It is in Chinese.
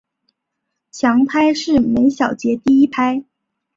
强拍是每小节第一拍。